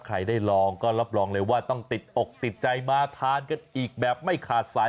ใครได้ลองก็รับรองเลยว่าต้องติดอกติดใจมาทานกันอีกแบบไม่ขาดสาย